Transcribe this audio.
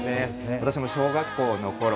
私も小学校のころ